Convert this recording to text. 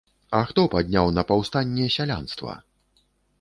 А хто падняў на паўстанне сялянства?